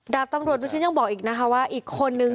ดาบตำรวจนุชิตยังบอกอีกนะคะว่าอีกคนนึง